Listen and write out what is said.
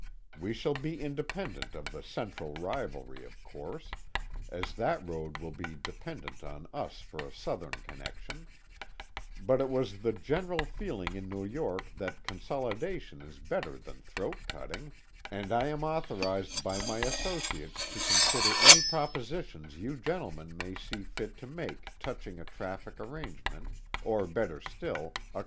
We shall be independent of the Central rivalry, of course, as that road will be dependent on us for a southern connection; but it was the general feeling in New York that consolidation is better than throat cutting, and I am authorized by my associates to consider any propositions you gentlemen may see fit to make touching a traffic arrangement, or better still, a close alliance.